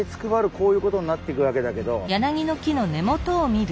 こういうことになってくるわけだけど。